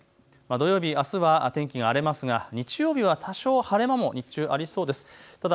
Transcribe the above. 土曜日あすは天気がありますが日曜日は多少晴れ間も日中ありそうです。